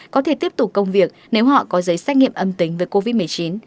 có thể tiếp tục công việc nếu họ có giấy xét nghiệm âm tính với covid một mươi chín